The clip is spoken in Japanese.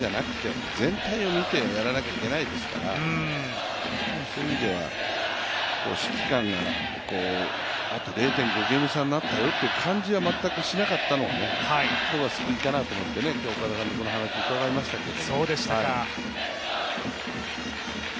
その月だけとか、ある時期だけじゃなくて全体を見てやらなきゃいけないですから、そういう意味では指揮官があと０．５ゲーム差になったよという感じが全くしなかったのは救いかなと思って今日、岡田監督のお話を伺いましたけど。